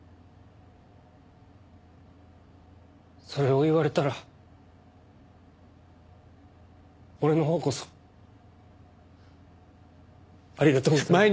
それを言われたら俺のほうこそありがとうござい。